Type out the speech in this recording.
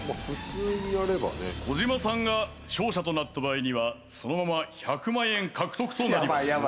普通にやればね小島さんが勝者となった場合にはそのまま１００万円獲得となります